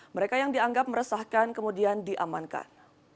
mereka yang dianggap meresahkan kemudian diamankan